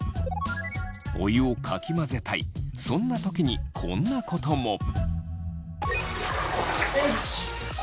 お湯をかき混ぜたいそんな時にこんなことも。